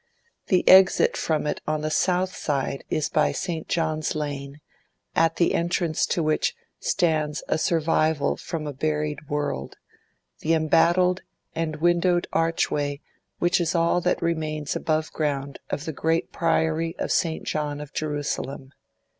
The exit from it on the south side is by St. John's Lane, at the entrance to which stands a survival from a buried world—the embattled and windowed archway which is all that remains above ground of the great Priory of St. John of Jerusalem.